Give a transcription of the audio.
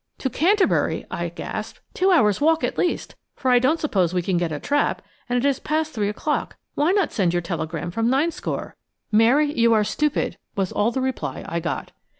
"To Canterbury!" I gasped. "Two hours' walk at least, for I don't suppose we can get a trap, and it is past three o'clock. Why not send your telegram from Ninescore?" "Mary, you are stupid," was all the reply I got.